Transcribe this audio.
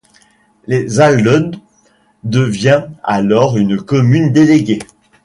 Les Alleuds devient alors une commune déléguée.